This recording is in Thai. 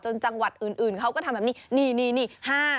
จังหวัดอื่นเขาก็ทำแบบนี้นี่